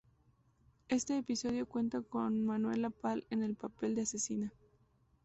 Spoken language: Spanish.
Este episodio cuenta con Manuela Pal, en el papel de asesina.